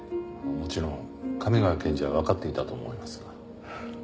もちろん亀ヶ谷検事はわかっていたと思いますが。